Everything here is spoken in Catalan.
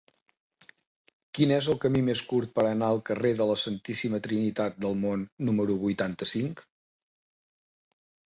Quin és el camí més curt per anar al carrer de la Santíssima Trinitat del Mont número vuitanta-cinc?